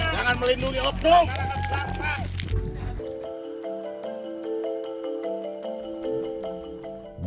jangan melindungi oknum